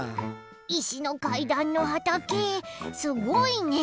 いしのかいだんのはたけすごいね！